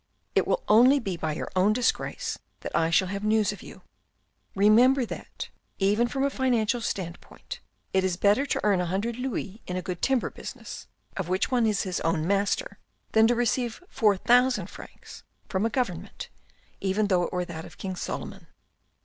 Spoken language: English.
It will only be by your own disgrace that I shall have news of you. Remember that, even from the financial standpoint, it is better to earn a hundred louis in a good timber business, of which one is his own master, than to receive four thousand francs from a Government, even though it were that of King Solomon."